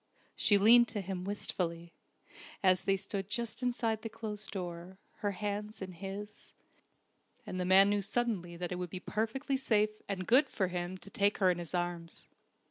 She leaned to him wistfully, as they stood just inside the closed door, her hands in his; and the man knew suddenly that it would be perfectly safe and good for him to take her in his arms.